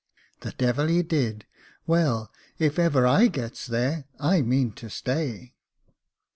"The devil he did. Well, if ever I gets there, I mean to stay."